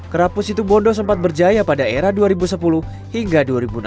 kerapu situ bondo sempat berjaya pada era dua ribu sepuluh hingga dua ribu enam belas